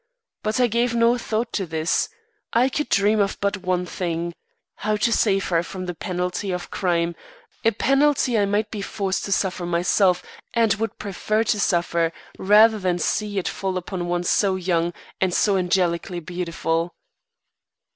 But I gave no thought to this. I could dream of but one thing how to save her from the penalty of crime, a penalty I might be forced to suffer myself and would prefer to suffer rather than see it fall upon one so young and so angelically beautiful.